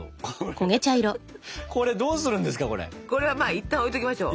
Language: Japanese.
これはまあいったん置いときましょう。